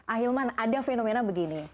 ahilman ada fenomena begini